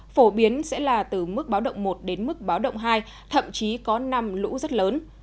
phổ biến sẽ là từ mức báo động một đến mức báo động hai thậm chí có năm lũ rất lớn